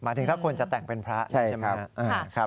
หมายถึงถ้าควรจะแต่งเป็นพระใช่ไหมครับ